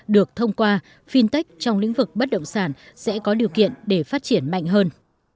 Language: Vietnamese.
được thông qua fintech trong lĩnh vực bất động sản sẽ có điều kiện để phát triển mạnh hơn